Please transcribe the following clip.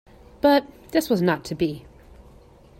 But this was not to be.